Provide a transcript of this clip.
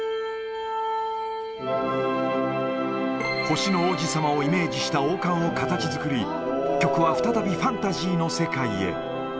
星の王子さまをイメージした王冠を形作り、曲は再びファンタジーの世界へ。